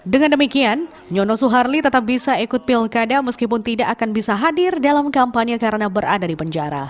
dengan demikian nyono suharli tetap bisa ikut pilkada meskipun tidak akan bisa hadir dalam kampanye karena berada di penjara